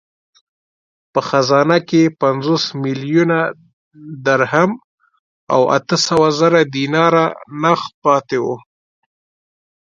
په خزانه کې پنځوس میلیونه درم او اته سوه زره دیناره نغد پاته وو.